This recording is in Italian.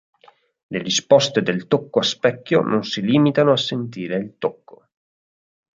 Le risposte del tocco a specchio non si limitano a sentire il tocco.